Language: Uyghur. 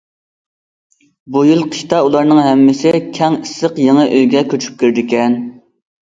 بۇ يىل قىشتا ئۇلارنىڭ ھەممىسى كەڭ، ئىسسىق يېڭى ئۆيگە كۆچۈپ كىرىدىكەن.